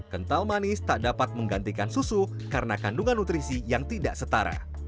kental manis tak dapat menggantikan susu karena kandungan nutrisi yang tidak setara